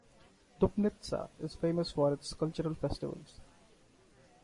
Dupnitsa is famous for its cultural festivals.